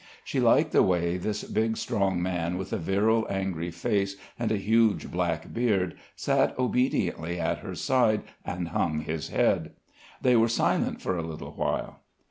She liked the way this big strong man with a virile angry face and a huge black beard sat obediently at her side and hung his head. They were silent for a little while.